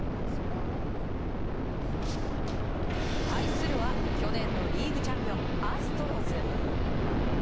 対するは去年のリーグチャンピオンアストロズ。